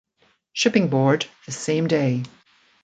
Shipping Board the same day.